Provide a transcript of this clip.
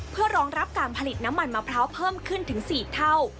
เพื่อรองรับการผลิตน้ำมันมะพร้าวเพิ่มขึ้นถึง๔เท่า